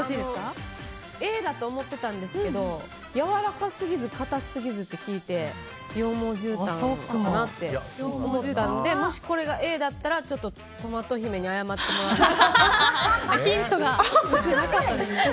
Ａだと思ってたんですけどやわらかすぎず硬すぎずって聞いて羊毛じゅうたんなのかなって思ったのでもしこれがＡだったらちょっとトマト姫に謝ってもらわな。